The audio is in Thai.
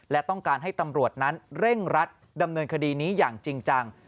และต้องการให้ตำรวจนั้นเร่งรัดดำเนินคดีนี้อย่างจริงจัง